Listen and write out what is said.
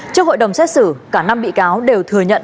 trước hội đồng xét xử cả năm bị cáo đều thừa nhận